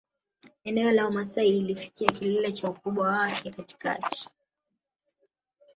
Eneo la Wamasai lilifikia kilele cha ukubwa wake katikati